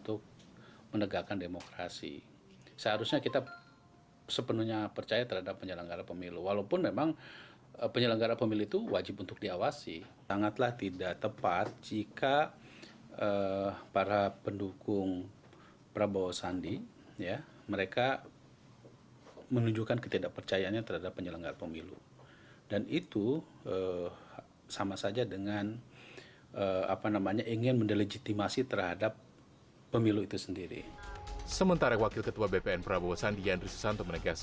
tapi kan kita akhirnya berpikir positif ya sudah